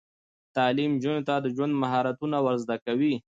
تعلیم نجونو ته د ژوند مهارتونه ور زده کوي.